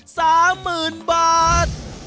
สามหมื่นบาท